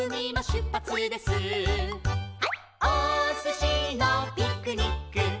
「おすしのピクニック」